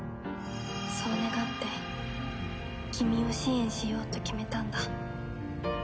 「そう願って君を支援しようと決めたんだ」